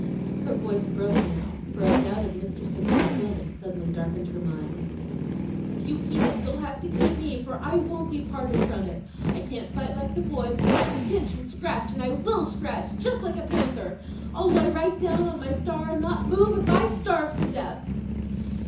(Her voice broke now, for a doubt of Mr. Simpson's yielding suddenly darkened her mind.) "If you keep it, you'll have to keep me, for I won't be parted from it! I can't fight like the boys, but I can pinch and scratch, and I WILL scratch, just like a panther I'll lie right down on my star and not move, if I starve to death!"